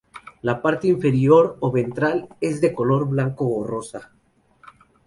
La parte inferior o ventral es de color blanco o rosa.